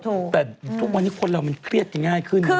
แต่ทุกวันนี้คนเรามันเครียดกันง่ายขึ้น